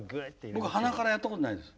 僕鼻からやったことないです。